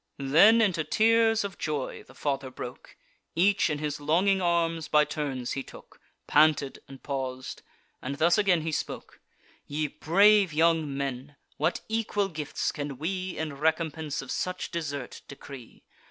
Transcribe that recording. Then into tears of joy the father broke; Each in his longing arms by turns he took; Panted and paus'd; and thus again he spoke: "Ye brave young men, what equal gifts can we, In recompense of such desert, decree?